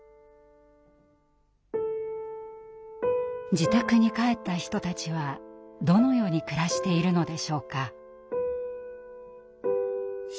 自宅に帰った人たちはどのように暮らしているのでしょうか。